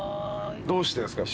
どうしてんすか？